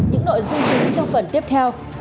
những nội dung chính trong phần tiếp theo